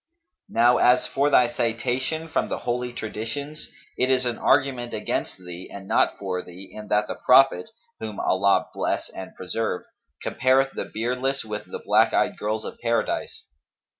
Now as for thy citation from the Holy Traditions, it is an argument against thee and not for thee in that the Prophet (whom Allah bless and preserve!) compareth the beardless with the black eyed girls of Paradise.